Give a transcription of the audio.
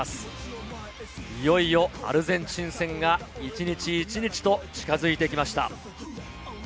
いよいよアルゼンチン戦が１日１日と近づいてきました。